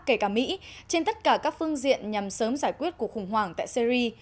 kể cả mỹ trên tất cả các phương diện nhằm sớm giải quyết cuộc khủng hoảng tại syri